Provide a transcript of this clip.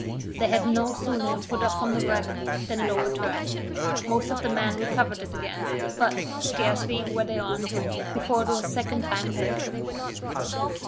They had no sooner put off from the wreck, than it overturned; most of the men recovered it again, but, scarcely were they on, before it was a second time overturned.